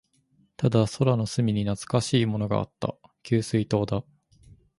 ただ、空の隅に懐かしいものがあった。給水塔だ。